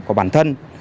của bản thân